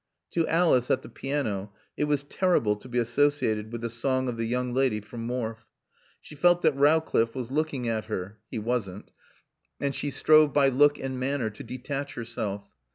To Alice, at the piano, it was terrible to be associated with the song of the young lady from Morfe. She felt that Rowcliffe was looking at her (he wasn't) and she strove by look and manner to detach herself.